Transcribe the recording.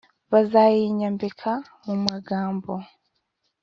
Bazayinyambika mu magambo